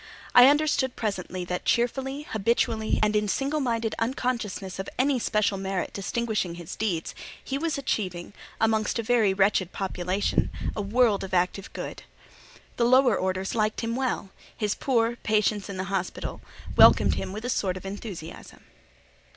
I understood presently that cheerfully, habitually, and in single minded unconsciousness of any special merit distinguishing his deeds—he was achieving, amongst a very wretched population, a world of active good. The lower orders liked him well; his poor, patients in the hospitals welcomed him with a sort of enthusiasm.